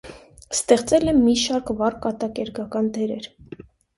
Ստեղծել է մի շարք վառ կատակերգական դերեր։